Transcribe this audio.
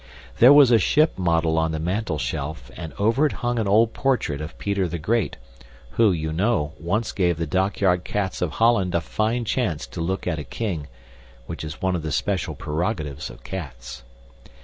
There was a ship model on the mantleshelf, and over it hung an old portrait of Peter the Great, who, you know, once gave the dockyard cats of Holland a fine chance to look at a king, which is one of the special prerogatives of cats.